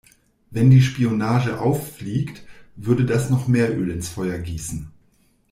Wenn die Spionage auffliegt, würde das noch mehr Öl ins Feuer gießen.